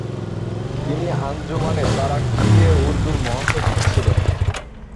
তিনি আঞ্জুমানে তারাক্কিয়ে উর্দুর মহাসচিব ছিলেন।